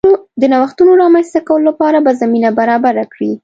د نوښتونو رامنځته کولو لپاره به زمینه برابره کړي